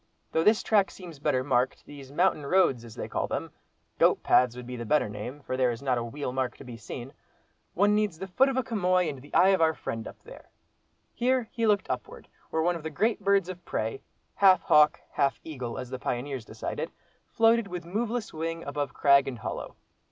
Though this track seems better marked, these mountain roads, as they call them—goat paths would be the better name—for there is not a wheel mark to be seen—one needs the foot of a chamois and the eye of our friend up there." Here he looked upward, where one of the great birds of prey, half hawk, half eagle, as the pioneers decided, floated with moveless wing above crag and hollow.